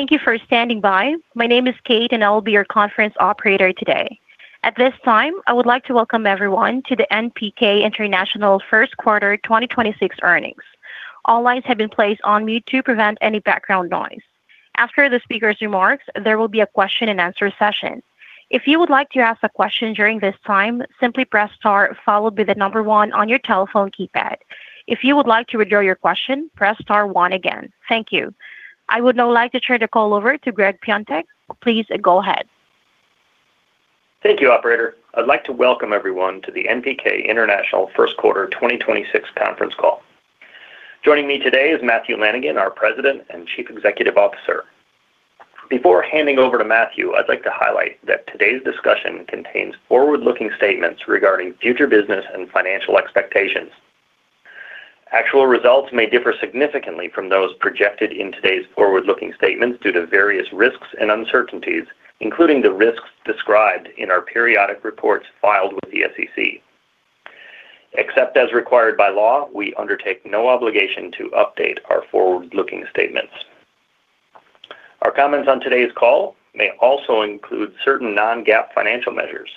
Thank you for standing by. My name is Kate, and I will be your conference operator today. At this time, I would like to welcome everyone to the NPK International first quarter 2026 earnings. All lines have been placed on mute to prevent any background noise. After the speaker's remarks, there will be a question and answer session. If you would like to ask a question during this time simply press star followed by the one on your telephone keypad. If you would like to withdraw your question, press star one again. Thank you. I would now like to turn the call over to Gregg Piontek. Please go ahead. Thank you, operator. I'd like to welcome everyone to the NPK International first quarter 2026 conference call. Joining me today is Matthew Lanigan, our President and Chief Executive Officer. Before handing over to Matthew, I'd like to highlight that today's discussion contains forward-looking statements regarding future business and financial expectations. Actual results may differ significantly from those projected in today's forward-looking statements due to various risks and uncertainties, including the risks described in our periodic reports filed with the SEC. Except as required by law we undertake no obligation to update our forward-looking statements. Our comments on today's call may also include certain non-GAAP financial measures.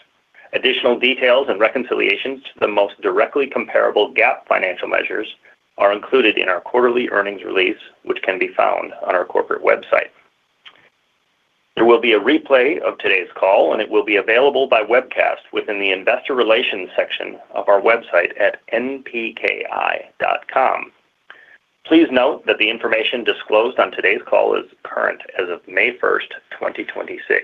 Additional details and reconciliations to the most directly comparable GAAP financial measures are included in our quarterly earnings release which can be found on our corporate website. There will be a replay of today's call and it will be available by webcast within the investor relations section of our website at npki.com. Please note that the information disclosed on today's call is current as of May 1st, 2026.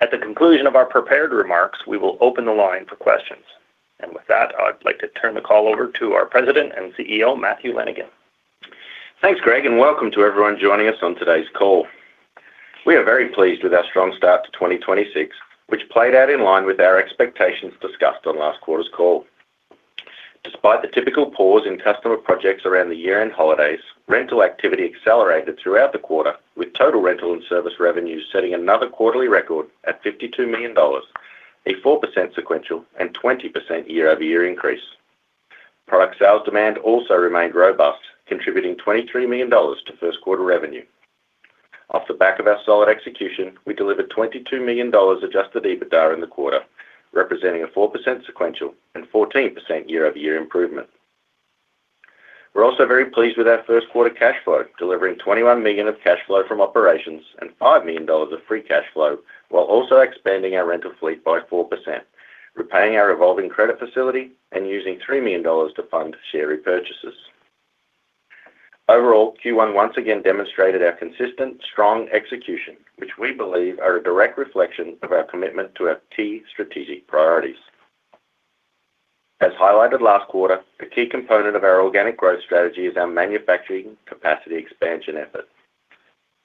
At the conclusion of our prepared remarks, we will open the line for questions. With that, I'd like to turn the call over to our President and CEO, Matthew Lanigan. Thanks, Gregg, and welcome to everyone joining us on today's call. We are very pleased with our strong start to 2026, which played out in line with our expectations discussed on last quarter's call. Despite the typical pause in customer projects around the year-end holidays, rental activity accelerated throughout the quarter with total rental and service revenues setting another quarterly record at $52 million, a 4% sequential and 20% year-over-year increase. Product sales demand also remained robust contributing $23 million to first quarter revenue. Off the back of our solid execution, we delivered $22 million adjusted EBITDA in the quarter, representing a 4% sequential and 14% year-over-year improvement. We're also very pleased with our first quarter cash flow delivering $21 million of cash flow from operations and $5 million of free cash flow, while also expanding our rental fleet by 4%, repaying our revolving credit facility and using $3 million to fund share repurchases. Overall, Q1 once again demonstrated our consistent strong execution, which we believe are a direct reflection of our commitment to our key strategic priorities. As highlighted last quarter a key component of our organic growth strategy is our manufacturing capacity expansion effort.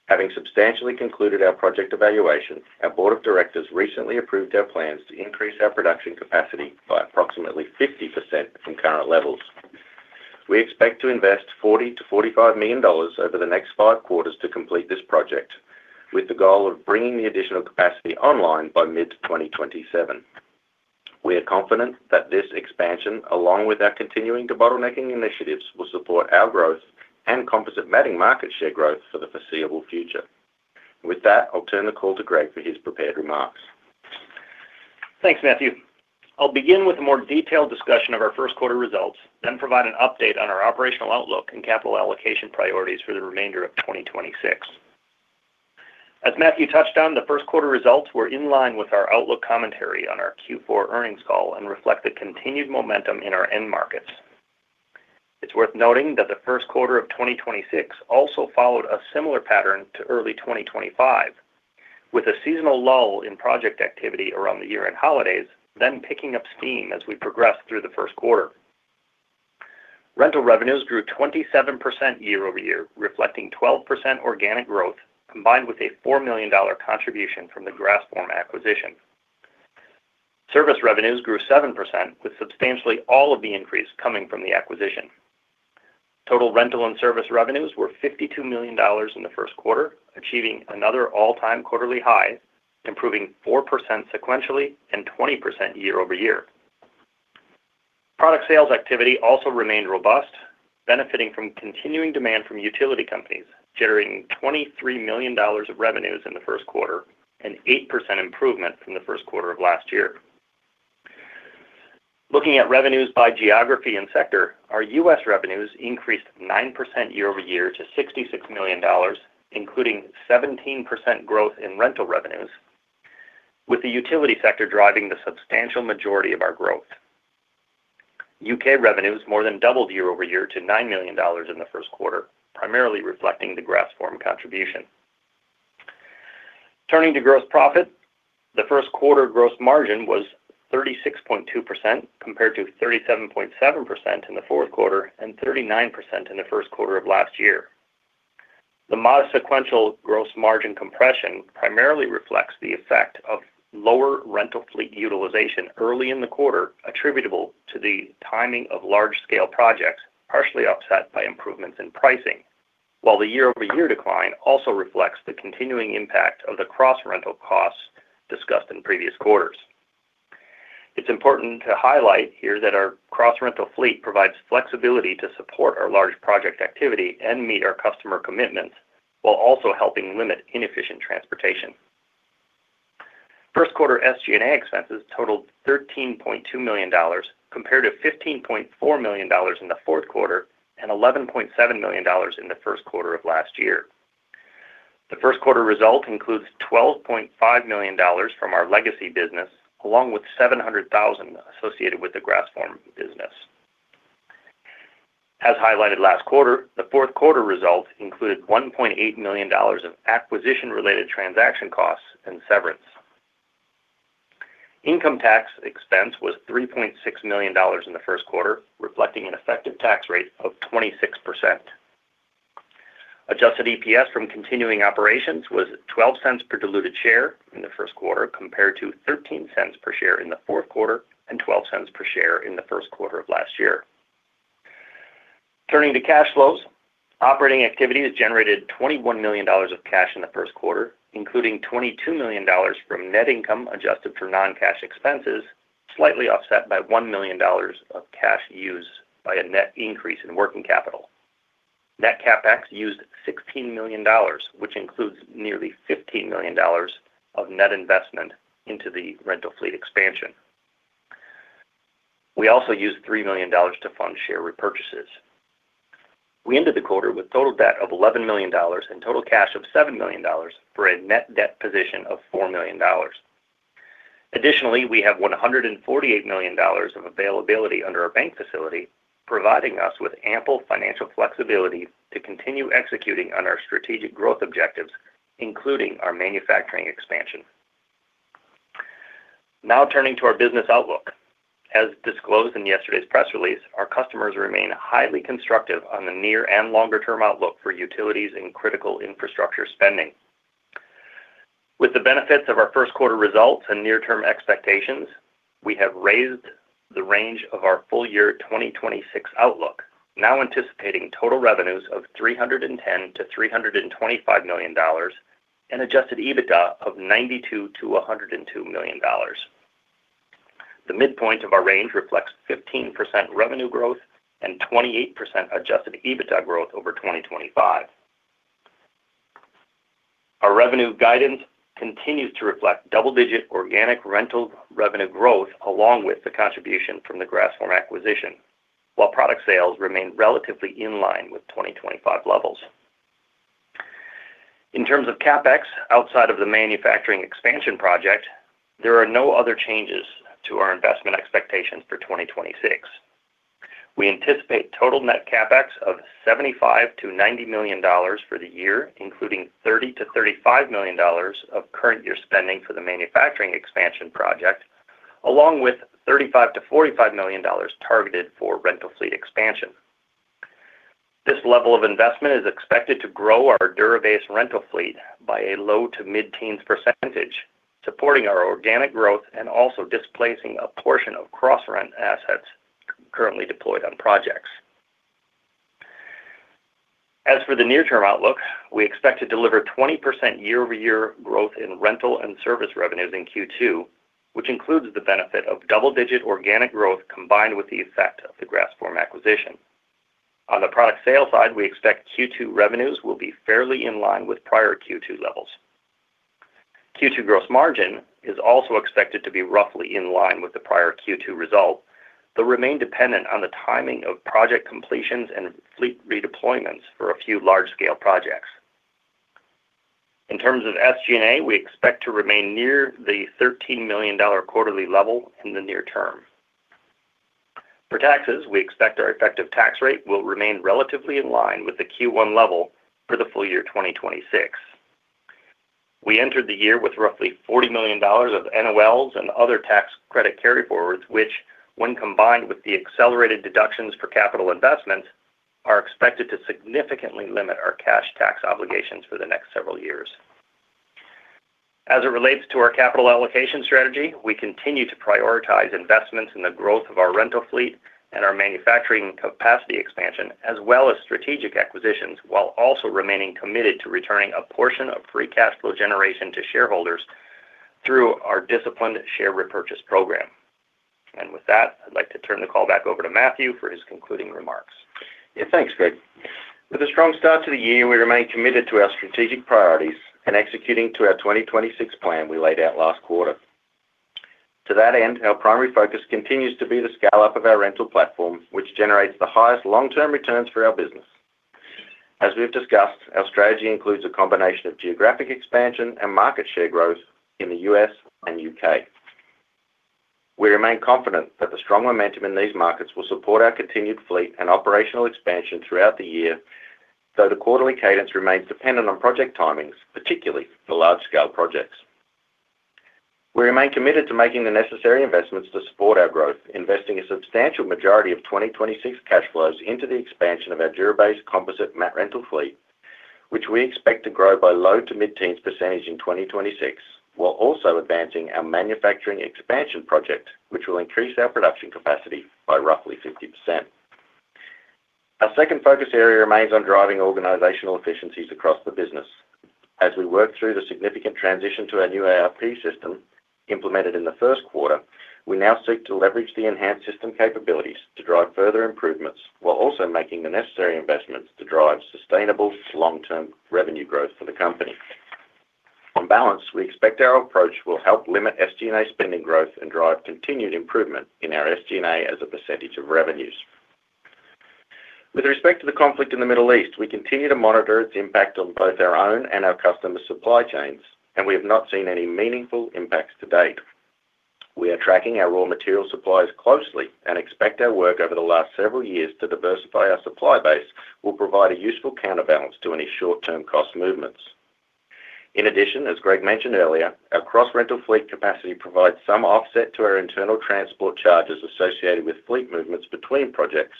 Having substantially concluded our project evaluation, our board of directors recently approved our plans to increase our production capacity by approximately 50% from current levels. We expect to invest $40 million-$45 million over the next five quarters to complete this project, with the goal of bringing the additional capacity online by mid 2027. We are confident that this expansion, along with our continuing debottlenecking initiatives, will support our growth and composite matting market share growth for the foreseeable future. With that, I'll turn the call to Gregg for his prepared remarks. Thanks, Matthew. I'll begin with a more detailed discussion of our first quarter results, then provide an update on our operational outlook and capital allocation priorities for the remainder of 2026. As Matthew touched on the first quarter results were in line with our outlook commentary on our Q4 earnings call and reflect the continued momentum in our end markets. It's worth noting that the first quarter of 2026 also followed a similar pattern to early 2025, with a seasonal lull in project activity around the year-end holidays, then picking up steam as we progressed through the first quarter. Rental revenues grew 27% year-over-year reflecting 12% organic growth, combined with a $4 million contribution from the Grassform acquisition. Service revenues grew 7%, with substantially all of the increase coming from the acquisition. Total rental and service revenues were $52 million in the first quarter achieving another all-time quarterly high, improving 4% sequentially and 20% year-over-year. Product sales activity also remained robust, benefiting from continuing demand from utility companies, generating $23 million of revenues in the first quarter, an 8% improvement from the first quarter of last year. Looking at revenues by geography and sector, our U.S. revenues increased 9% year-over-year to $66 million including 17% growth in rental revenues, with the utility sector driving the substantial majority of our growth. U.K. revenues more than doubled year-over-year to $9 million in the first quarter primarily reflecting the Grassform contribution. Turning to gross profit, the first quarter gross margin was 36.2% compared to 37.7% in the fourth quarter and 39% in the first quarter of last year. The modest sequential gross margin compression primarily reflects the effect of lower rental fleet utilization early in the quarter attributable to the timing of large-scale projects partially offset by improvements in pricing. The year-over-year decline also reflects the continuing impact of the cross-rental costs discussed in previous quarters. It's important to highlight here that our cross-rental fleet provides flexibility to support our large project activity and meet our customer commitments while also helping limit inefficient transportation. First quarter SG&A expenses totaled $13.2 million compared to $15.4 million in the fourth quarter and $11.7 million in the first quarter of last year. The first quarter result includes $12.5 million from our legacy business, along with $700,000 associated with the Grassform business. As highlighted last quarter, the fourth quarter results included $1.8 million of acquisition-related transaction costs and severance. Income tax expense was $3.6 million in the first quarter, reflecting an effective tax rate of 26%. adjusted EPS from continuing operations was $0.12 per diluted share in the first quarter compared to $0.13 per share in the fourth quarter and $0.12 per share in the first quarter of last year. Turning to cash flows. Operating activity has generated $21 million of cash in the first quarter, including $22 million from net income adjusted for non-cash expenses slightly offset by $1 million of cash used by a net increase in working capital. Net CapEx used $16 million, which includes nearly $15 million of net investment into the rental fleet expansion. We also used $3 million to fund share repurchases. We ended the quarter with total debt of $11 million and total cash of $7 million for a net debt position of $4 million. We have $148 million of availability under our bank facility, providing us with ample financial flexibility to continue executing on our strategic growth objectives, including our manufacturing expansion. Turning to our business outlook. As disclosed in yesterday's press release our customers remain highly constructive on the near and longer-term outlook for utilities and critical infrastructure spending. With the benefits of our first quarter results and near-term expectations, we have raised the range of our full-year 2026 outlook, now anticipating total revenues of $310 million-$325 million and adjusted EBITDA of $92 million-$102 million. The midpoint of our range reflects 15% revenue growth and 28% adjusted EBITDA growth over 2025. Our revenue guidance continues to reflect double-digit organic rental revenue growth along with the contribution from the Grassform acquisition, while product sales remain relatively in line with 2025 levels. In terms of CapEx, outside of the manufacturing expansion project, there are no other changes to our investment expectations for 2026. We anticipate total net CapEx of $75 million-$90 million for the year including $30 million-$35 million of current year spending for the manufacturing expansion project, along with $35 million-$45 million targeted for rental fleet expansion. This level of investment is expected to grow our DURA-BASE rental fleet by a low to mid-teens percentage supporting our organic growth and also displacing a portion of cross-rent assets currently deployed on projects. As for the near-term outlook, we expect to deliver 20% year-over-year growth in rental and service revenues in Q2, which includes the benefit of double-digit organic growth combined with the effect of the Grassform acquisition. On the product sales side we expect Q2 revenues will be fairly in line with prior Q2 levels. Q2 gross margin is also expected to be roughly in line with the prior Q2 result, but remain dependent on the timing of project completions and fleet redeployments for a few large-scale projects. In terms of SG&A, we expect to remain near the $13 million quarterly level in the near term. For taxes, we expect our effective tax rate will remain relatively in line with the Q1 level for the full year 2026. We entered the year with roughly $40 million of NOLs and other tax credit carryforwards, which when combined with the accelerated deductions for capital investments, are expected to significantly limit our cash tax obligations for the next several years. As it relates to our capital allocation strategy, we continue to prioritize investments in the growth of our rental fleet and our manufacturing capacity expansion, as well as strategic acquisitions, while also remaining committed to returning a portion of free cash flow generation to shareholders through our disciplined share repurchase program. With that, I'd like to turn the call back over to Matthew for his concluding remarks. Thanks, Gregg. With a strong start to the year we remain committed to our strategic priorities and executing to our 2026 plan we laid out last quarter. To that end our primary focus continues to be the scale-up of our rental platform, which generates the highest long-term returns for our business. As we've discussed our strategy includes a combination of geographic expansion and market share growth in the U.S. and U.K. We remain confident that the strong momentum in these markets will support our continued fleet and operational expansion throughout the year, though the quarterly cadence remains dependent on project timings, particularly for large-scale projects. We remain committed to making the necessary investments to support our growth investing a substantial majority of 2026 cash flows into the expansion of our DURA-BASE composite mat rental fleet, which we expect to grow by low to mid-teens percentage in 2026, while also advancing our manufacturing expansion project, which will increase our production capacity by roughly 50%. Our second focus area remains on driving organizational efficiencies across the business. As we work through the significant transition to our new ERP system implemented in the first quarter, we now seek to leverage the enhanced system capabilities to drive further improvements while also making the necessary investments to drive sustainable long-term revenue growth for the company. On balance, we expect our approach will help limit SG&A spending growth and drive continued improvement in our SG&A as a percentage of revenues. With respect to the conflict in the Middle East, we continue to monitor its impact on both our own and our customers' supply chains, and we have not seen any meaningful impacts to date. We are tracking our raw material suppliers closely and expect our work over the last several years to diversify our supply base will provide a useful counterbalance to any short-term cost movements. In addition, as Gregg mentioned earlier, our cross-rental fleet capacity provides some offset to our internal transport charges associated with fleet movements between projects,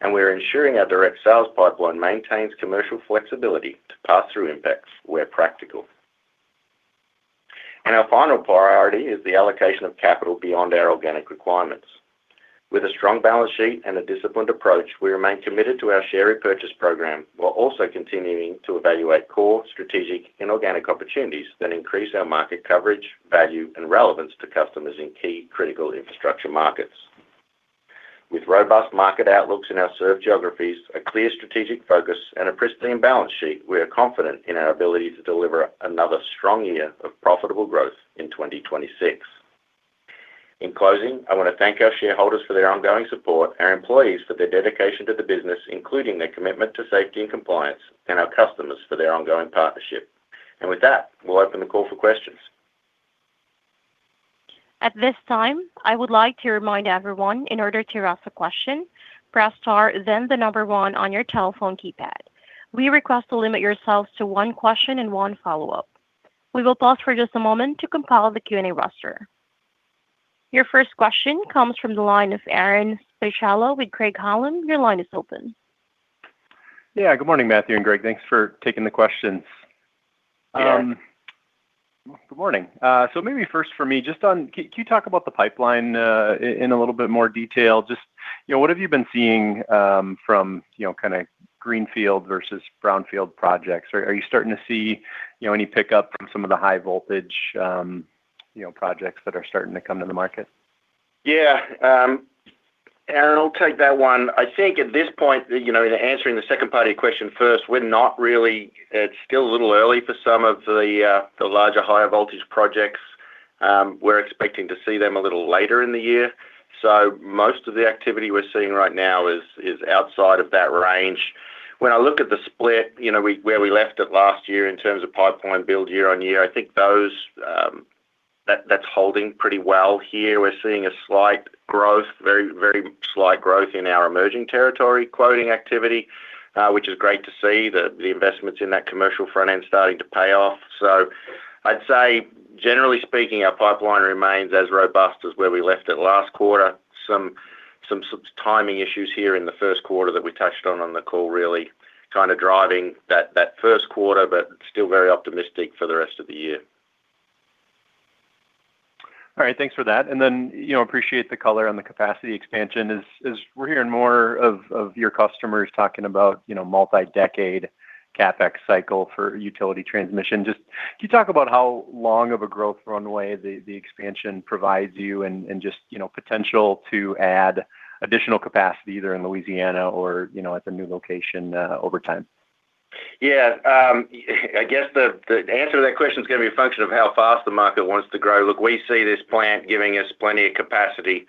and we are ensuring our direct sales pipeline maintains commercial flexibility to pass through impacts where practical. Our final priority is the allocation of capital beyond our organic requirements. With a strong balance sheet and a disciplined approach we remain committed to our share repurchase program while also continuing to evaluate core strategic and organic opportunities that increase our market coverage, value, and relevance to customers in key critical infrastructure markets. With robust market outlooks in our served geographies, a clear strategic focus, and a pristine balance sheet, we are confident in our ability to deliver another strong year of profitable growth in 2026. In closing, I want to thank our shareholders for their ongoing support our employees for their dedication to the business, including their commitment to safety and compliance, and our customers for their ongoing partnership. With that, we'll open the call for questions. At this time, I would like to remind everyone in order to ask a question, press star then the number one on your telephone keypad. We request to limit yourselves to one question and one follow-up. We will pause for just a moment to compile the Q&A roster. Your first question comes from the line of Aaron Spychalla with Craig-Hallum. Your line is open. Yeah. Good morning, Matthew and Gregg. Thanks for taking the questions. Yeah. Good morning. Maybe first for me, just on, can you talk about the pipeline in a little bit more detail just what have you been seeing from kinda greenfield versus brownfield projects? Are you starting to see any pickup from some of the high voltage projects that are starting to come to the market? Yeah. Aaron I'll take that one. I think at this point, you know, in answering the second part of your question first, it's still a little early for some of the larger, higher voltage projects. We're expecting to see them a little later in the year. Most of the activity we're seeing right now is outside of that range. When I look at the split, you know, where we left it last year in terms of pipeline build year on year, I think that's holding pretty well here. We're seeing a slight growth, very slight growth in our emerging territory quoting activity, which is great to see the investments in that commercial front end starting to pay off. I'd say generally speaking, our pipeline remains as robust as where we left it last quarter. Some timing issues here in the first quarter that we touched on the call really kind of driving that first quarter, but still very optimistic for the rest of the year. All right. Thanks for that. Then you know, appreciate the color on the capacity expansion. As we're hearing more of your customers talking about, you know, multi-decade CapEx cycle for utility transmission, just can you talk about how long of a growth runway the expansion provides you and just, you know, potential to add additional capacity either in Louisiana or, you know, at the new location over time? I guess the answer to that question is gonna be a function of how fast the market wants to grow. Look, we see this plant giving us plenty of capacity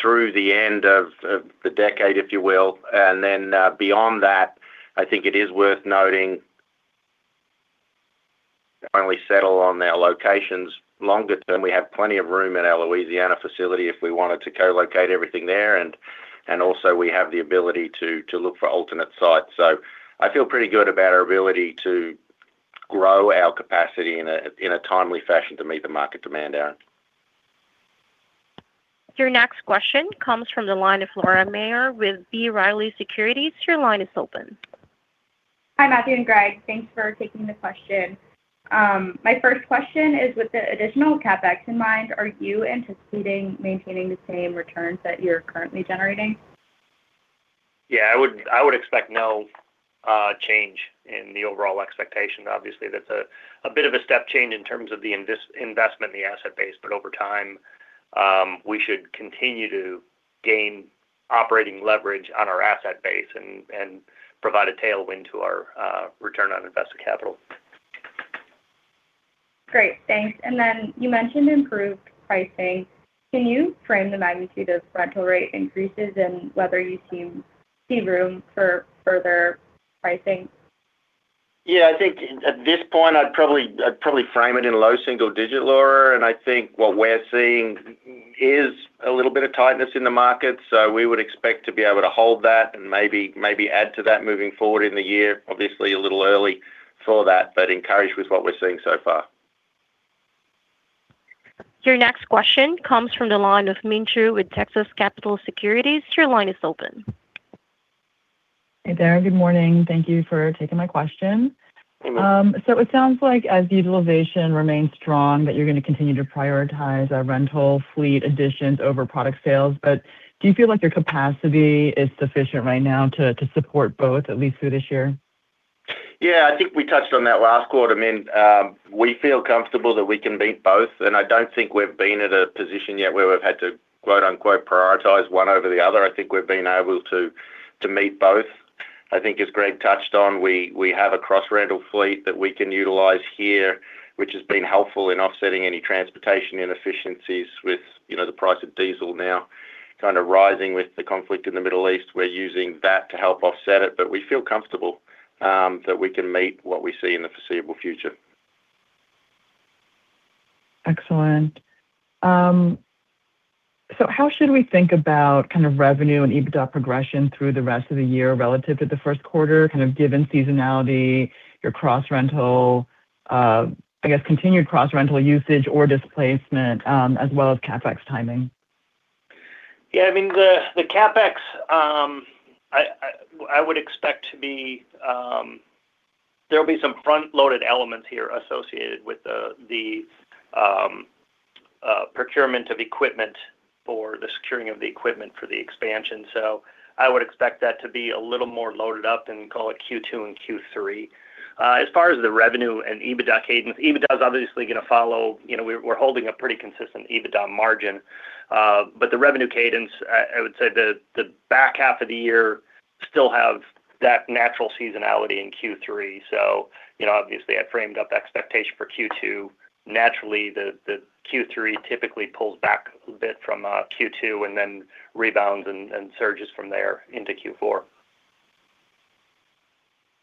through the end of the decade if you will. Beyond that, I think it is worth noting finally settle on our locations longer term. We have plenty of room at our Louisiana facility if we wanted to co-locate everything there. Also we have the ability to look for alternate sites. I feel pretty good about our ability to grow our capacity in a timely fashion to meet the market demand, Aaron. Your next question comes from the line of Laura Maher with B. Riley Securities. Your line is open. Hi, Matthew and Gregg. Thanks for taking the question. My first question is with the additional CapEx in mind, are you anticipating maintaining the same returns that you're currently generating? Yeah, I would expect no change in the overall expectation. Obviously, that's a bit of a step change in terms of the investment in the asset base. Over time, we should continue to gain operating leverage on our asset base and provide a tailwind to our return on invested capital. Great. Thanks. Then you mentioned improved pricing. Can you frame the magnitude of rental rate increases and whether you see room for further pricing? Yeah. I think at this point, I'd probably frame it in low single digit, Laura, and I think what we're seeing is a little bit of tightness in the market. We would expect to be able to hold that and maybe add to that moving forward in the year. Obviously, a little early for that, encouraged with what we're seeing so far. Your next question comes from the line of Min Cho with Texas Capital Securities. Your line is open. Hey there. Good morning. Thank you for taking my question. It sounds like as the utilization remains strong, that you're gonna continue to prioritize rental fleet additions over product sales. Do you feel like your capacity is sufficient right now to support both, at least through this year? I think we touched on that last quarter. I mean, we feel comfortable that we can meet both, and I don't think we've been at a position yet where we've had to, quote-unquote, prioritize one over the other. I think we've been able to meet both. I think as Gregg touched on, we have a cross-rental fleet that we can utilize here, which has been helpful in offsetting any transportation inefficiencies with, you know, the price of diesel now kind of rising with the conflict in the Middle East. We're using that to help offset it, but we feel comfortable that we can meet what we see in the foreseeable future. Excellent. How should we think about kind of revenue and EBITDA progression through the rest of the year relative to the first quarter, kind of given seasonality, your cross-rental, I guess continued cross-rental usage or displacement, as well as CapEx timing? Yeah, I mean, the CapEx I would expect to be... There'll be some front-loaded elements here associated with the procurement of equipment for the securing of the equipment for the expansion. I would expect that to be a little more loaded up in call it Q2 and Q3. As far as the revenue and EBITDA cadence, EBITDA is obviously gonna follow. You know, we're holding a pretty consistent EBITDA margin. The revenue cadence I would say the back half of the year still have that natural seasonality in Q3. You know, obviously I framed up expectation for Q2. Naturally, the Q3 typically pulls back a bit from Q2 and then rebounds and surges from there into Q4.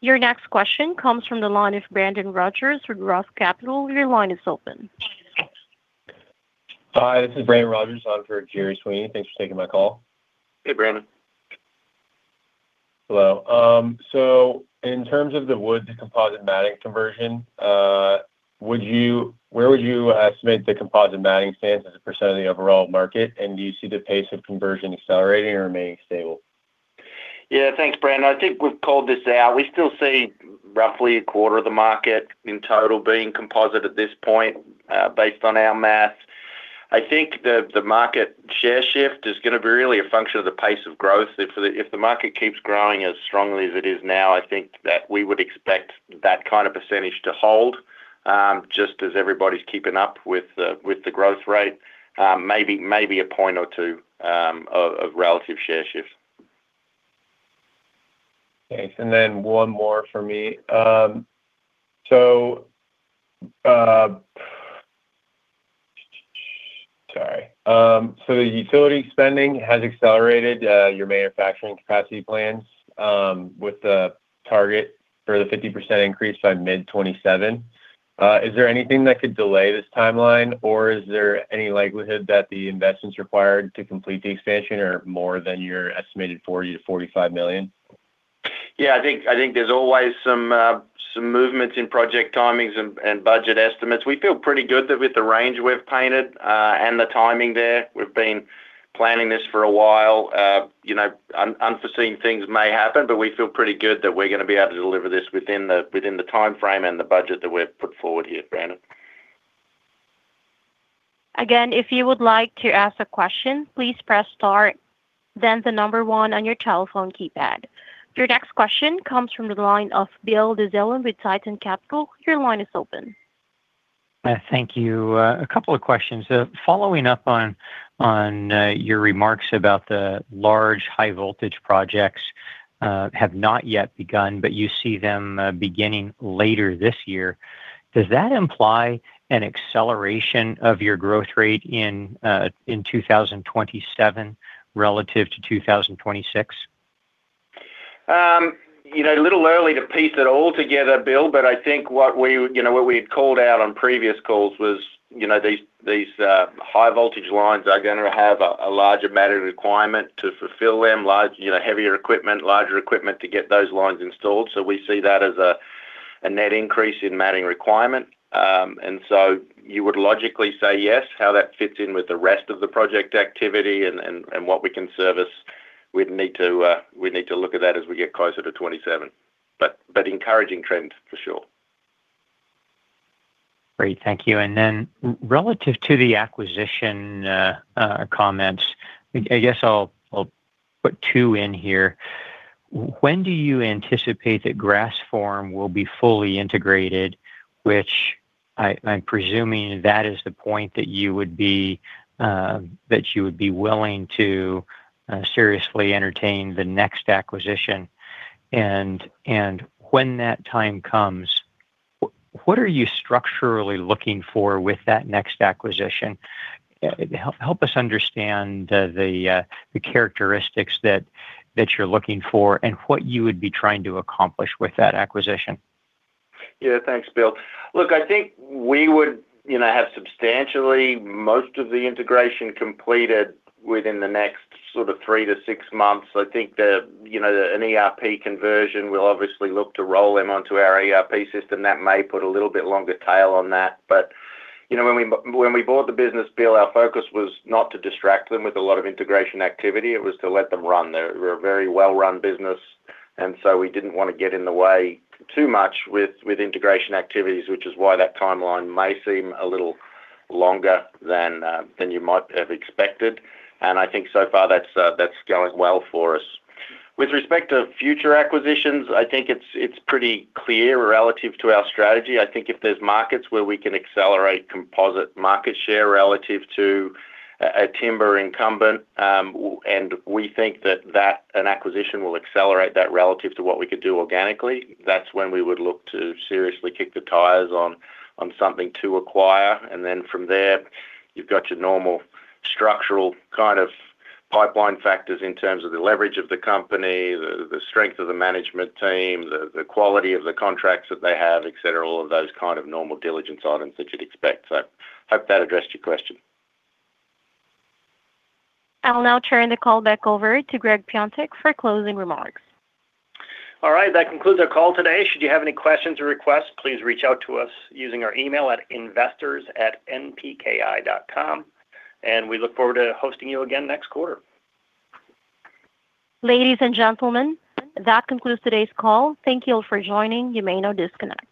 Your next question comes from the line of Brandon Rogers with ROTH Capital. Your line is open. Hi, this is Brandon Rogers on for Gerry Sweeney. Thanks for taking my call. Hey, Brandon. Hello. In terms of the wood to composite matting conversion, where would you submit the composite matting stance as a percent of the overall market, do you see the pace of conversion accelerating or remaining stable? Yeah. Thanks, Brandon. I think we've called this out we still see roughly a quarter of the market in total being composite at this point, based on our math. I think the market share shift is gonna be really a function of the pace of growth. If the market keeps growing as strongly as it is now, I think that we would expect that kind of percentage to hold, just as everybody's keeping up with the growth rate, maybe a point or two of relative share shift. Okay. One more for me. Sorry. The utility spending has accelerated your manufacturing capacity plans with the target for the 50% increase by mid-2027. Is there anything that could delay this timeline, or is there any likelihood that the investments required to complete the expansion are more than your estimated $40 million-$45 million? Yeah, I think there's always some movements in project timings and budget estimates. We feel pretty good that with the range we've painted, and the timing there, we've been planning this for a while. You know, unforeseen things may happen, but we feel pretty good that we're gonna be able to deliver this within the timeframe and the budget that we've put forward here, Brandon. Again, if you would like to ask a question, please press star then one on your telephone keypad. Your next question comes from the line of Bill Dezellem with Tieton Capital. Your line is open. Thank you. A couple of questions. Following up on your remarks about the large high voltage projects have not yet begun, but you see them beginning later this year. Does that imply an acceleration of your growth rate in 2027 relative to 2026? You know, a little early to piece it all together Bill, but I think what we, you know, what we had called out on previous calls was, you know, these high voltage lines are gonna have a larger matting requirement to fulfill them. Large, you know, heavier equipment, larger equipment to get those lines installed. We see that as a net increase in matting requirement. You would logically say yes how that fits in with the rest of the project activity and what we can service, we'd need to look at that as we get closer to 2027. Encouraging trend for sure. Great. Thank you. Relative to the acquisition, comments, I guess I'll put two in here. When do you anticipate that Grassform will be fully integrated, which I'm presuming that is the point that you would be that you would be willing to seriously entertain the next acquisition and when that time comes, what are you structurally looking for with that next acquisition? Help us understand the characteristics that you're looking for and what you would be trying to accomplish with that acquisition. Thanks, Bill. Look, I think we would, you know, have substantially most of the integration completed within the next sort of three to six months. I think the, you know, an ERP conversion, we'll obviously look to roll them onto our ERP system. That may put a little bit longer tail on that. You know, when we, when we bought the business, Bill, our focus was not to distract them with a lot of integration activity. It was to let them run. They're a very well-run business, we didn't wanna get in the way too much with integration activities, which is why that timeline may seem a little longer than you might have expected. I think so far that's going well for us. With respect to future acquisitions, I think it's pretty clear relative to our strategy. I think if there's markets where we can accelerate composite matting share relative to a timber incumbent, we think that an acquisition will accelerate that relative to what we could do organically, that's when we would look to seriously kick the tires on something to acquire. From there, you've got your normal structural kind of pipeline factors in terms of the leverage of the company, the strength of the management team, the quality of the contracts that they have, et cetera, all of those kind of normal diligence items that you'd expect. Hope that addressed your question. I'll now turn the call back over to Gregg Piontek for closing remarks. All right. That concludes our call today. Should you have any questions or requests, please reach out to us using our email at investors@npki.com. We look forward to hosting you again next quarter. Ladies and gentlemen, that concludes today's call. Thank you all for joining. You may now disconnect.